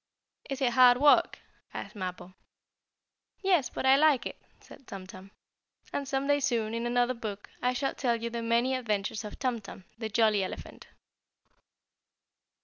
"Is it hard work?" asked Mappo. "Yes, but I like it," said Tum Tum. And some day soon, in another book, I shall tell you the many adventures of Tum Tum, the jolly elephant.